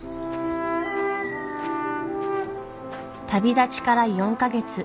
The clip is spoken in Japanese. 旅立ちから４か月。